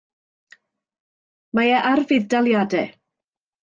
Mae e ar fudd-daliadau.